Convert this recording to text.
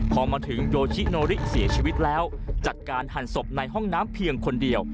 พอมาถึงโยชิโนริเสียชีวิตแล้วจัดการหั่นศพในห้องน้ำเพียงคนเดียว